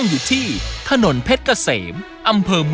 เฮ้ยไปไม๊ย